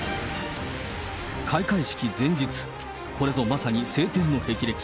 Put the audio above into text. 開会式前日、これぞまさに青天のへきれき。